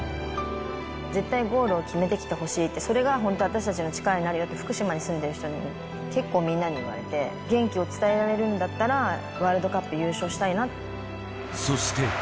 絶対ゴールを決めてきてほしいって、それが本当、私たちの力になるよって、福島に住んでる人に、結構みんなに言われて、元気を伝えられるんだったら、そして。